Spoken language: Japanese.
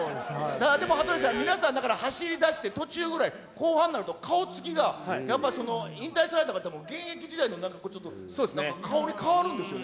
でも羽鳥さん、皆さんだから走りだして、途中ぐらい、後半になると、顔つきが、やっぱり引退された方も、現役時代の、なんか顔に変わるんですよね。